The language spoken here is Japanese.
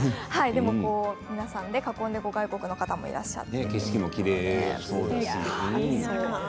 皆さんで囲んで外国の方もいらっしゃって。